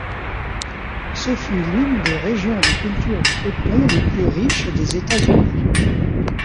Ce fut l'une des régions de culture du coton les plus riches des États-Unis.